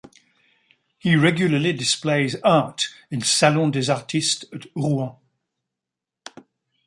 He regularly displays art in Salon des artistes at Rouen.